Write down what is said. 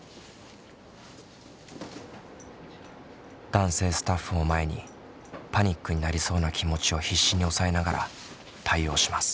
男性スタッフを前にパニックになりそうな気持ちを必死に抑えながら対応します。